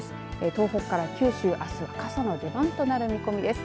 東北から九州あすは傘の出番となる見込みです。